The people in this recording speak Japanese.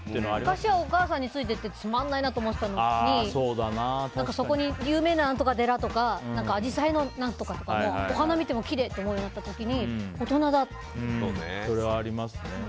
昔はお母さんについていってつまんないなと思ってたのに有名なお寺とかアジサイの何とかも、お花を見てきれいって思うようになった時に大人だって。